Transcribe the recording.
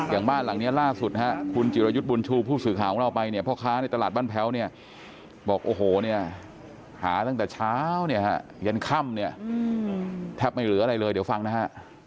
อย่างบ้านหลังนี้ล่าสุดนะฮะคุณจิรยุทธ์บุญชูผู้สื่อข่าวของเราไปเนี่ยพ่อค้าในตลาดบ้านแพ้วเนี่ยบอกโอ้โหเนี่ยหาตั้งแต่เช้าเนี่ยฮะยันค่ำเนี่ยแทบไม่เหลืออะไรเลยเดี๋ยวฟังนะฮะ